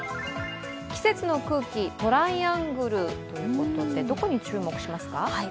季節の空気、トライアングルということで、どこに注目しますか？